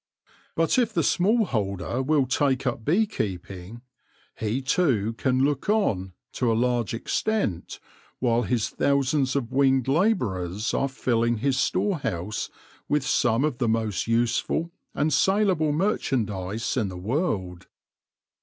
But if the small holder will take up bee keeping, he too can look on, to a large extent, while his thousands of winged labourers are filling his storehouse with some of the most useful and saleable merchandise in the world.